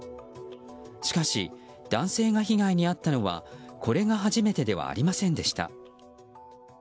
しかし、男性が被害に遭ったのはこれが初めてではありませんでした。